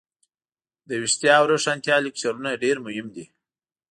دویښتیا او روښانتیا لکچرونه ډیر مهم دي.